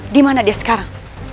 di mana dia sekarang